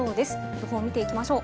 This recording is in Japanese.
予報見ていきましょう。